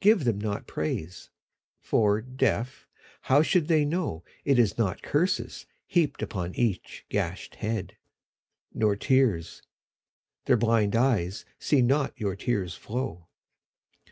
Give them not praise. For, deaf, how should they know It is not curses heaped on each gashed head ? Nor tears. Their blind eyes see not your tears flow.